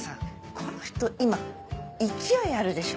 この人今勢いあるでしょ。